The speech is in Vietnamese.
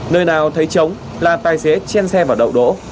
nơi nào thấy trống là tài xế chen xe vào đậu đỗ